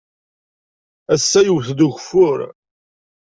Ass-a yewwet-d ugeffur.